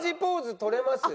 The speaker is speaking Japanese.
取れます。